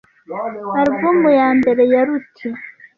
Album ya mbere ya Ruti